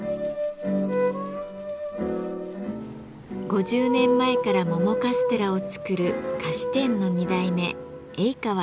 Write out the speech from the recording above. ５０年前から桃カステラを作る菓子店の２代目永川洋さん。